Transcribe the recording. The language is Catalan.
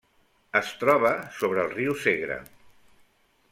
Es troba sobre el riu Segre.